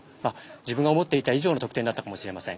自分が思ってた以上の得点だったかもしれません。